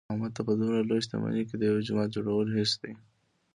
احمد ته په دمره لویه شتمنۍ کې د یوه جومات جوړل هېڅ دي.